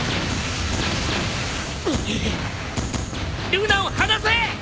ルナを放せ！